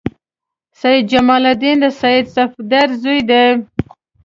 سید جمال الدین د سید صفدر زوی دی.